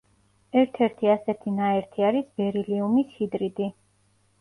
ერთ-ერთი ასეთი ნაერთი არის ბერილიუმის ჰიდრიდი.